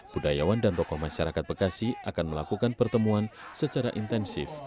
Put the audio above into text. budayawan dan tokoh masyarakat bekasi akan melakukan pertemuan secara intensif